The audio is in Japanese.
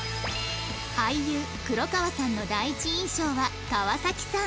俳優黒川さんの第一印象は川崎さん